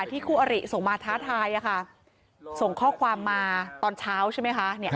คู่อริส่งมาท้าทายส่งข้อความมาตอนเช้าใช่ไหมคะ